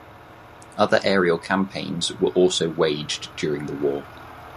Other aerial campaigns were also waged during the war.